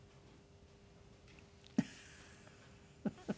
フフフフ。